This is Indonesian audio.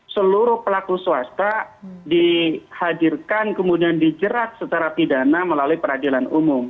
seluruh pelaku swasta dihadirkan kemudian dijerat secara pidana melalui peradilan umum